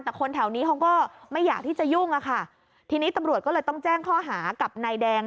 แต่คนแถวนี้เขาก็ไม่อยากที่จะยุ่งอ่ะค่ะทีนี้ตำรวจก็เลยต้องแจ้งข้อหากับนายแดง